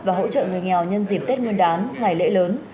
và hỗ trợ người nghèo nhân dịp tết nguyên đán ngày lễ lớn